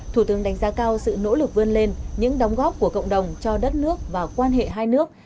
thủ tướng đánh giá cao sự nỗ lực vươn lên những đóng góp của cộng đồng cho đất nước và quan hệ hai nước